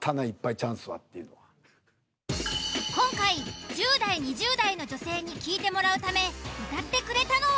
今回１０代２０代の女性に聴いてもらうため歌ってくれたのは。